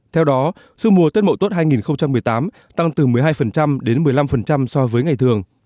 theo đó sức mùa tết mậu tuất hai nghìn một mươi tám tăng từ một mươi hai đến một mươi năm so với ngày thường